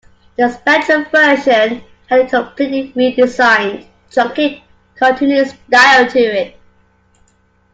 The Spectrum version had a completely redesigned, chunky, cartoony style to it.